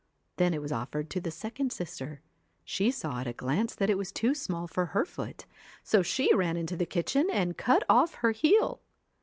Then it was offered to the second sister. She saw at a glance that it was too small for her foot, so she ran into the kitchen and cut off her heel.